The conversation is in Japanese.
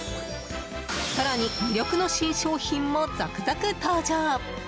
更に、魅力の新商品も続々登場。